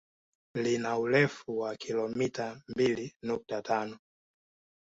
Lina urefu wa kilomita mbili nukta tano